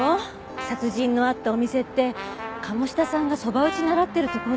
殺人のあったお店って鴨志田さんがそば打ち習ってるところだったんですって？